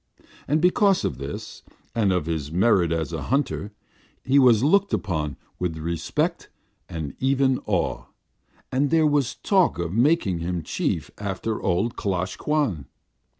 And because of this, and of his merit as a hunter, he was looked upon with respect, and even awe; and there was talk of making him chief after old Klosh Kwan.